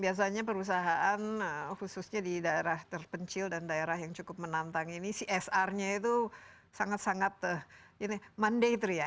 biasanya perusahaan khususnya di daerah terpencil dan daerah yang cukup menantang ini csr nya itu sangat sangat mandatory ya